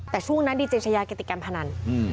แต่ช่วงนั้นดิเจชยากระติกรรมพนัน